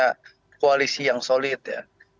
sudah punya koalisi yang solid ya